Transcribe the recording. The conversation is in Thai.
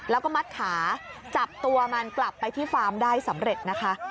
แล้วก็มัดขาจับตัวมันกลับไปที่ฟาร์มได้สำเร็จนะคะ